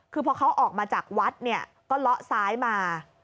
คือพอเขาออกมาจากวัดเนี่ยก็เลาะซ้ายมา